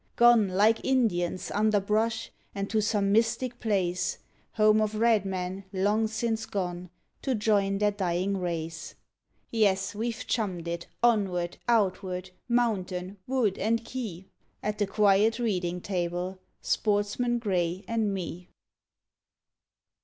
Gone, like Indians, under brush and to some mystic place Home of red men, long since gone, to join their dying race. Yes ... we've chummed it, onward outward ... mountain, wood, and Key, At the quiet readin' table ... Sportsman Grey an' Me.